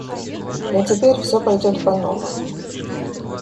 Но теперь всё пойдет по новому.